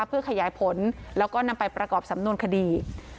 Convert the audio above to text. เพื่อขยายผลแล้วก็นำไปประกอบสำนวนคดี